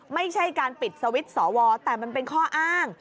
ไม่ใช่การปิดสวิตช์สอวอแต่มันเป็นข้ออ้าง